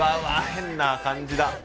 変な感じだ。